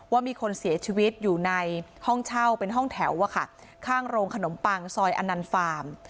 ว่ามีคนเสียชีวิตอยู่ในห้องเช่าเป็นห้องแถวอะค่ะข้างโรงขนมปังซอยอนันต์ฟาร์ม